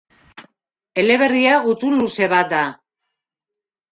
Eleberria gutun luze bat da.